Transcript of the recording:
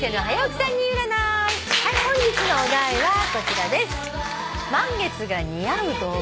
本日のお題はこちらです。